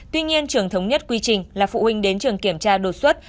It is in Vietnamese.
tuy nhiên trường thống nhất quy trình là phụ huynh đến trường kiểm tra đột xuất